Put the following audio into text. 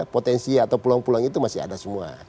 potensi atau peluang peluang itu masih ada semua